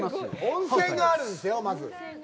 温泉があるんですよ、まず。